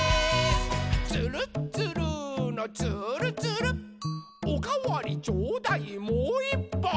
「つるっつるーのつーるつる」「おかわりちょうだいもういっぱい！」